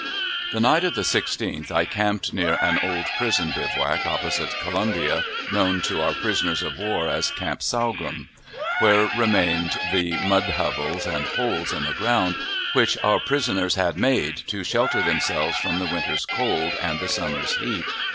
The night of the 16th I camped near an old prison bivouac opposite Columbia, known to our prisoners of war as "Camp Sorghum," where remained the mud hovels and holes in the ground which our prisoners had made to shelter themselves from the winter's cold and the summer's heat.